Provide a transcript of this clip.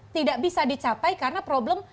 tidak bisa dicapai karena problem